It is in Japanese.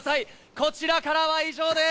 こちらからは以上です。